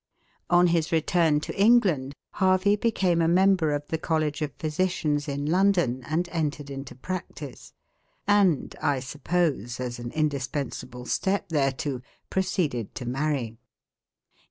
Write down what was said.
On his return to England, Harvey became a member of the College of Physicians in London, and entered into practice; and, I suppose, as an indispensable step thereto, proceeded to marry.